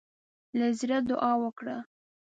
له زړۀ دعا وکړه.